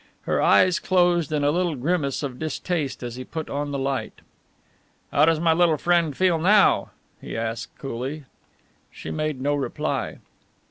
Her eyes closed in a little grimace of distaste as he put on the light. "How does my little friend feel now?" he asked coolly. She made no reply.